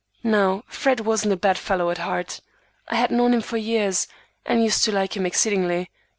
Now, Fred wasn't a bad fellow at heart. I had known him for years, and used to like him exceedingly.